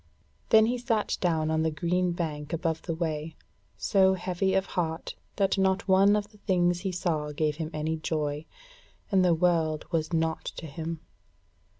Then he sat down on the green bank above the way, so heavy of heart that not one of the things he saw gave him any joy, and the world was naught to him.